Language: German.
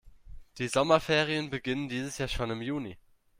Die Sommerferien beginnen dieses Jahr schon im Juni.